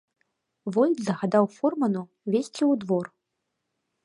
Войт загадаў фурману везці ў двор.